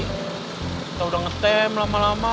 kita udah ngetem lama lama